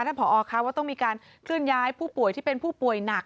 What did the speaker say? ผอค่ะว่าต้องมีการเคลื่อนย้ายผู้ป่วยที่เป็นผู้ป่วยหนัก